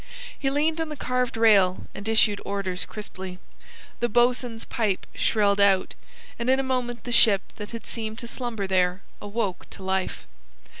He leaned on the carved rail and issued orders crisply. The bo'sun's pipe shrilled out, and in a moment the ship that had seemed to slumber there, awoke to life.